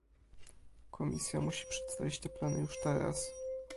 Komisja musi przedstawić te plany już teraz